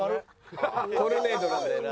トルネードなんだよな。